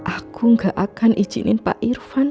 aku gak akan izinin pak irfan